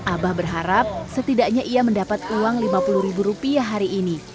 abah berharap setidaknya ia mendapat uang lima puluh ribu